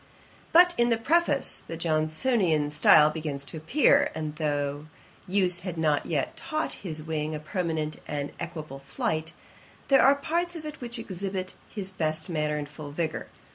But, in the Preface, the Johnsonian style begins to appear; and though use had not yet taught his wing a permanent and equable flight, there are parts of it which exhibit his best manner in full vigour.